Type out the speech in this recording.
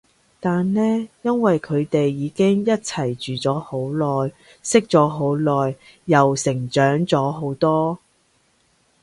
但呢因為佢哋已經一齊住咗好耐，識咗好耐，又成長咗好多